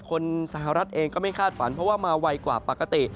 สหรัฐเองก็ไม่คาดฝันเพราะว่ามาไวกว่าปกติ